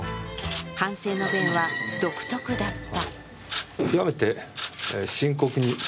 反省の弁は独特だった。